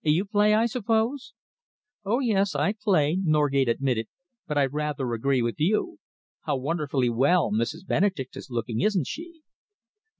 You play, I suppose?" "Oh, yes, I play," Norgate admitted, "but I rather agree with you. How wonderfully well Mrs. Benedek is looking, isn't she!"